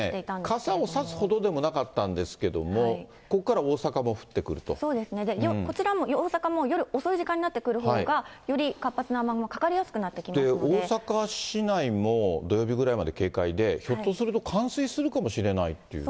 傘を差すほどでもなかったんですけれども、そうですね、こちらも、大阪も夜遅い時間になってくるほうがより活発な雨雲、かかりやす大阪市内も、土曜日ぐらいまで警戒で、ひょっとすると冠水するかもしれないっていう。